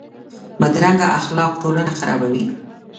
بدرنګه اخلاق ټولنه خرابوي